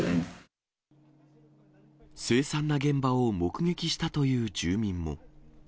凄惨な現場を目撃したという住民も。